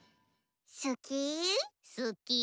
すき？